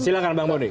silahkan bang bodi